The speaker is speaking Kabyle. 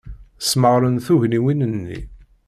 Smeɣren tugniwin-nni.